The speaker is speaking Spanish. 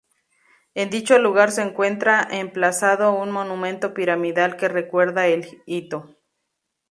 En dicho lugar se encuentra emplazado un monumento piramidal que recuerda el hito.